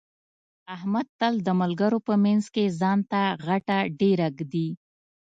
احمد تل د ملګرو په منځ کې ځان ته غټه ډېره ږدي.